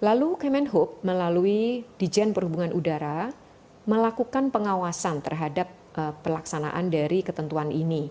lalu kemenhub melalui dijen perhubungan udara melakukan pengawasan terhadap pelaksanaan dari ketentuan ini